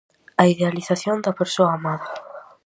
A idealización da persoa amada.